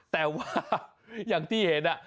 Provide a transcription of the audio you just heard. แต่ว่าอย่างที่เห็น